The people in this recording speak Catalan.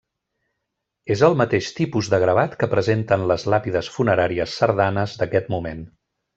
És el mateix tipus de gravat que presenten les làpides funeràries cerdanes d'aquest moment.